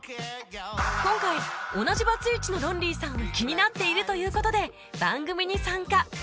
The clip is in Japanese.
今回同じバツイチのロンリーさんが気になっているという事で番組に参加